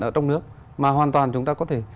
ở trong nước mà hoàn toàn chúng ta có thể